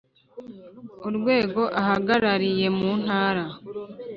urwego ahagarariye mu ntara